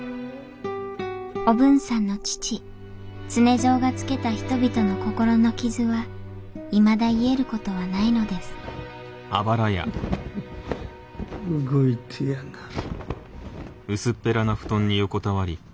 おぶんさんの父常蔵がつけた人々の心の傷はいまだ癒える事はないのです動いてやがる。